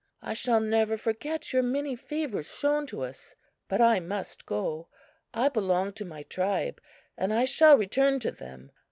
"I shall never forget your many favors shown to us. But I must go. I belong to my tribe and I shall return to them.